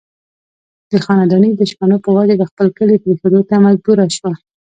د خانداني دشمنو پۀ وجه د خپل کلي پريښودو ته مجبوره شو